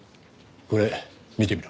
これ見てみろ。